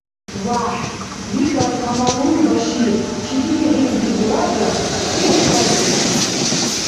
– ВяхӀ, – викӀар Камалул Башир, – чиди лихӀилизи буралра се декӀардеша?